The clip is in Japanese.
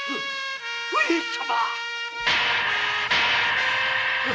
上様。